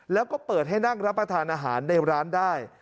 แล้วก็เปิดให้นั่งรับประทานอาหารในร้านได้